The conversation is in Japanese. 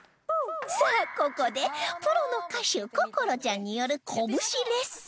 さあここでプロの歌手心愛ちゃんによるこぶしレッスン